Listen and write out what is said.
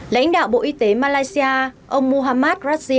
lãnh đạo bộ y tế malaysia ông muhammad rassi